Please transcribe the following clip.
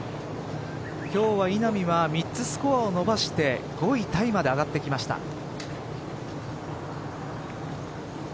今日は稲見は３つスコアを伸ばして５位タイまで上がってきました。